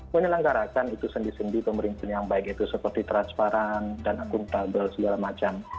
menyelenggarakan itu sendi sendi pemerintah yang baik itu seperti transparan dan akuntabel segala macam